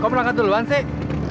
kamu perangkat duluan sih